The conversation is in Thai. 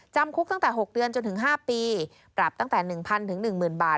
จำคุกตั้งแต่๖เดือนจนถึง๕ปีปรับตั้งแต่๑๐๐๑๐๐บาท